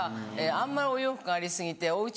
あんまりお洋服があり過ぎてお家